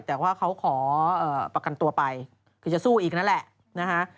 แต่ว่าเขาขอประกันตัวไปคือจะสู้อีกนั่นแหละนะฮะ